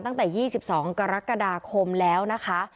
ตั้งแต่๒๒กรกฎาคมแล้วนะคะ